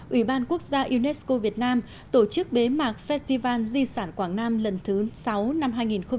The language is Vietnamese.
ủy ban quốc gia unesco việt nam tổ chức bế mạc festival di sản quảng nam lần thứ sáu năm hai nghìn một mươi chín